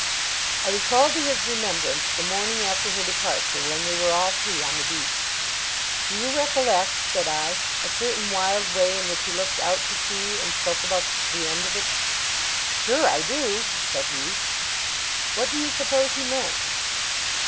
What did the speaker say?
I recalled to his remembrance the morning after her departure, when we were all three on the beach. 'Do you recollect,' said I, 'a certain wild way in which he looked out to sea, and spoke about "the end of it"?' 'Sure I do!' said he. 'What do you suppose he meant?